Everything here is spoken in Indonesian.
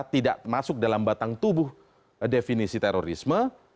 tidak masuk dalam batang tubuh definisi terorisme